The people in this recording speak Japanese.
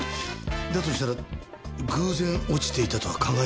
だとしたら偶然落ちていたとは考えにくいですね。